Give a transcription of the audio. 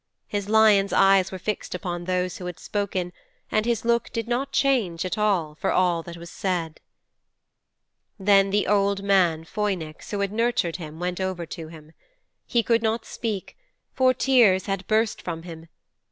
His lion's eyes were fixed upon those who had spoken and his look did not change at all for all that was said.' 'Then the old man Phoinix who had nurtured him went over to him. He could not speak, for tears had burst from him.